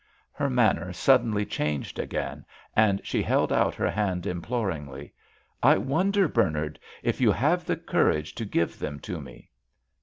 Her manner suddenly changed again, and she held out her hand imploringly. "I wonder, Bernard, if you have the courage to give them to me?"